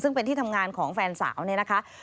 ซึ่งเป็นที่ทำงานของแฟนสาวเนี่ยนะคะ